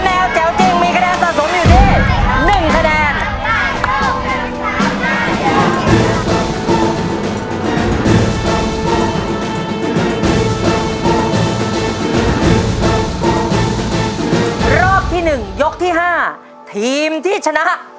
๓แนวแจ๋วจริง๐๘ชนะ